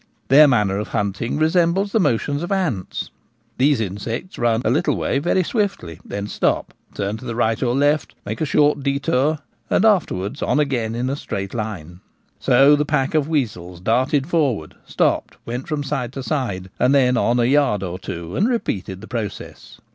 Their manner of hunting resembles the motions of ants ; these insects run a 1 20 The Gamekeeper at Home. little way very swiftly, then stop, turn to the right or left, make a short detour, and afterwards on again in a straight line. So the pack of weasels darted for ward, stopped, went from side to side, and then on a yard or two, and repeated the process.